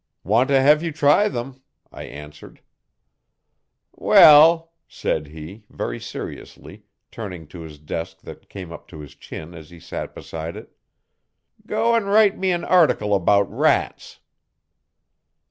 'Want to have you try them,' I answered. 'Well,' said he, very seriously, turning to his desk that came up to his chin as he sat beside it, 'go and write me an article about rats.'